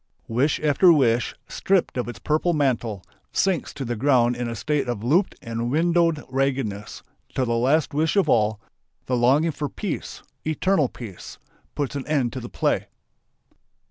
Wish after wish, stripped of its purple mantle, sinks to the ground in a state of "looped and windowed raggedness," till the last wish of all the longing for peace, eternal peace puts an end to the play.